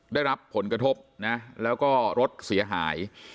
ได้รับผลกระทบนะแล้วก็รถเสียหาย